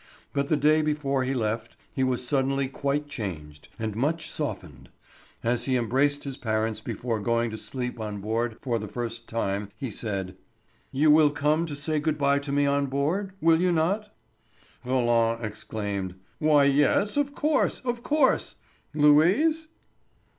But the day before he left he was suddenly quite changed, and much softened. As he embraced his parents before going to sleep on board for the first time he said: "You will come to say good bye to me on board, will you not?" Roland exclaimed: "Why, yes, of course—of course, Louise?"